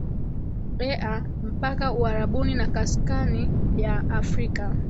ea mpaka uarabuni na kaskani ya afrika